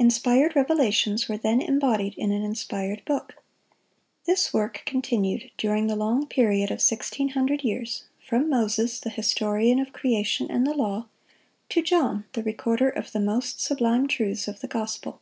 Inspired revelations were then embodied in an inspired book. This work continued during the long period of sixteen hundred years,—from Moses, the historian of creation and the law, to John, the recorder of the most sublime truths of the gospel.